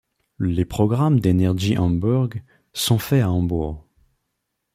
Les programmes d'Energy Hamburg sont faits à Hambourg.